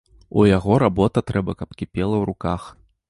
У яго работа трэба каб кіпела ў руках.